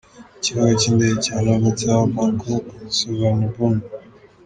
Ikibuga cy’Indege cya Novotel Bangkok Suvarnabhumi.